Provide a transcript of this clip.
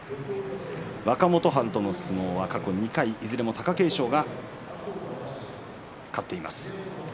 若元春との相撲過去２回いずれも貴景勝が勝っています。